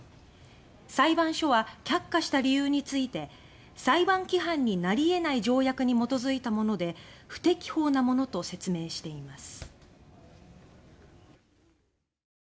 裁判所は却下した理由について「裁判規範になり得ない条約に基づいたもので不適法なもの」と説明しています。